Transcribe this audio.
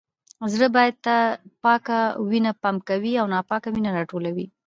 زړه بدن ته پاکه وینه پمپ کوي او ناپاکه وینه راټولوي